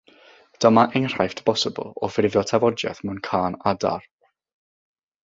Dyma enghraifft bosibl o ffurfio tafodiaith mewn cân adar.